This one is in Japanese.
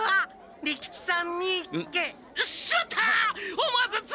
利吉さん